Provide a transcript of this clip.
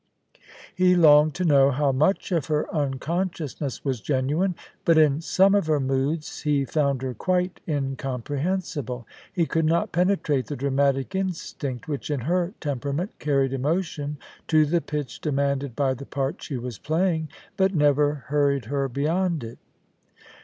He longed to know how much of her unconsciousness was genuine ; but in some of her moods he found her quite incomprehensible : he could not penetrate the dramatic instinct, which in her temperament carried emotion to the pitch demanded by the part she was playing, but never hurried her beyond it.